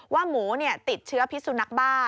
ว่าหมูติดเชื้อพิสุนักบ้า